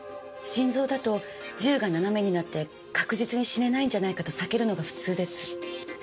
心臓だと銃が斜めになって確実に死ねないんじゃないかと避けるのが普通です。